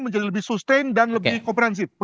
menjadi lebih sustain dan lebih komprehensif